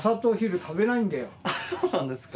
そうなんですか？